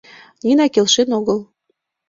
— Нина келшен огыл.